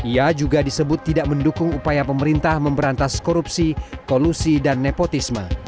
ia juga disebut tidak mendukung upaya pemerintah memberantas korupsi kolusi dan nepotisme